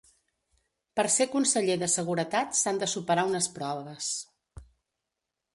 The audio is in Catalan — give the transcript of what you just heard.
Per ser conseller de seguretat s'han de superar unes proves.